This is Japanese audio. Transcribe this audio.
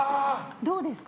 どうですか？